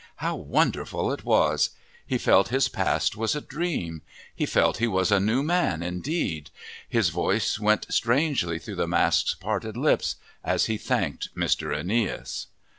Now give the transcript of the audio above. How wonderful it was! He felt his past was a dream. He felt he was a new man indeed. His voice went strangely through the mask's parted lips, as he thanked Mr. Aeneas.